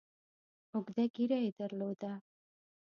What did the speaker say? اوږده ږیره یې درلوده.